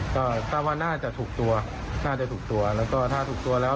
ก็ทราบว่าน่าจะถูกตัวน่าจะถูกตัวแล้วก็ถ้าถูกตัวแล้ว